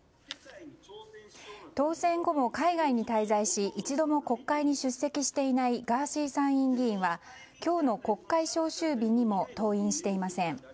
当選後も海外に滞在し一度も国会に出席していないガーシー参院議員は今日の国会召集日にも登院していません。